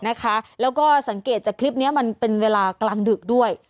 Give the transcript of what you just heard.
แล้วก็สังเกตจากคลิปนี้มันเป็นเวลากลางดึกด้วย